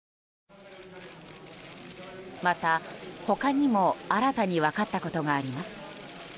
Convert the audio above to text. また他にも新たに分かったことがあります。